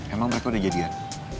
emang mereka udah jadian